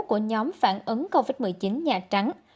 của nhóm phản ứng covid một mươi chín nhà trắng